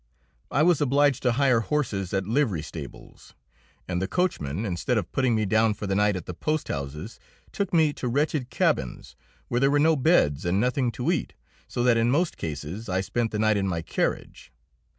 I was obliged to hire horses at livery stables, and the coachman, instead of putting me down for the night at the posthouses, took me to wretched cabins where there were no beds and nothing to eat, so that in most cases I spent the night in my carriage.